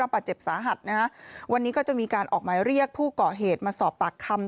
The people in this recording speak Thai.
ไปเรียกผู้เกาะเหตุมาสอบปากคำ